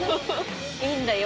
いいんだよ。